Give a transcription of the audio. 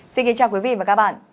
xin kính chào quý vị và các bạn